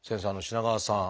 品川さん